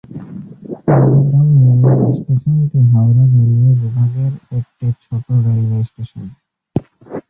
Nabagram railway স্টেশনটি Howrah railway বিভাগের একটি ছোট রেলওয়ে স্টেশন।